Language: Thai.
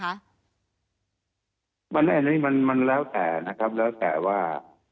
เรื่องสำเร็จนะนี้มันแล้วแต่นะครับแล้วแต่ว่า